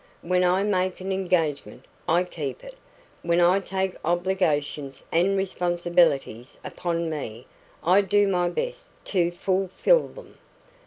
When I make an engagement, I keep it. When I take obligations and responsibilities upon me, I do my best to fulfil them.